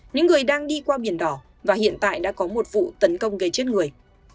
những người đang đi qua biển đỏ và hiện tại đã có một vụ tấn công gây chết người